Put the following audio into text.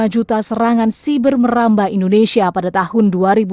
empat puluh lima juta serangan siber merambah indonesia pada tahun dua ribu delapan belas